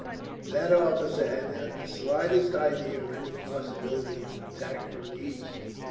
That officer had not the slightest idea of any possibility of attack from the east.